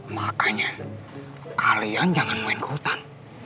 makanya kalian jangan main ke hutan